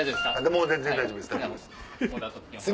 もう全然大丈夫です。